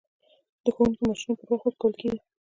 د ښوونکو معاشونه پر وخت ورکول کیږي؟